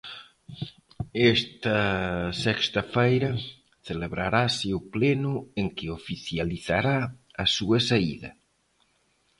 Esta sexta feira celebrarase o pleno en que oficializará a súa saída.